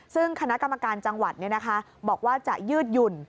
ซึ่งคณะกรรมการจังหวัดบอกว่าจะยืดหยุ่น